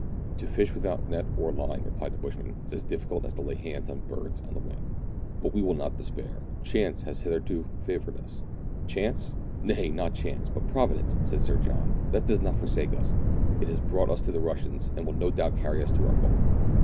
*' To fish without net or line," replied the bushman, "is as difficult as to lay hands on birds on the wing. But we will not despair ; chance has hitherto favoured us." " Chance ! nay, not chance, but Providence," said Sir John. " That does not forsake us ; it has brought us to the Russians, and will no doubt carry us on to our goal."